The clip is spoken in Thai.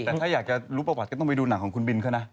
แต่ถ้าอยากจะรู้ประวัติก็ต้องไปดูหนังของคุณบินเขานะ